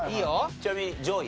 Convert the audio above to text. ちなみに上位？